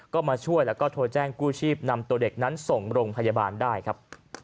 ก็มาช่วยแล้วก็โทรแจ้งกู้ชีพนำตัวเด็กนั้นส่งโรงพยาบาลได้ครับ